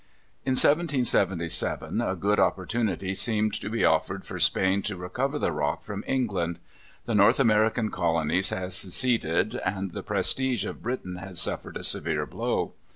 In 1777 a good opportunity seemed to be offered for Spain to recover the Rock from England. The North American colonies had seceded, and the prestige of Britain had suffered a severe blow.